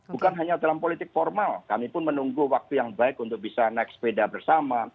bukan hanya dalam politik formal kami pun menunggu waktu yang baik untuk bisa naik sepeda bersama